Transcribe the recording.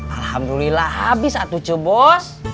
alhamdulillah abis atu cibos